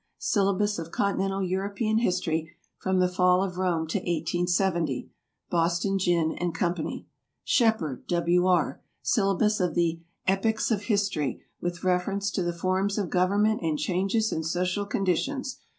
"Syllabus of Continental European History from the Fall of Rome to 1870." Boston, Ginn & Co. SHEPHERD, W. R. "Syllabus of the Epochs of History, with Reference to the Forms of Government and Changes in Social Conditions."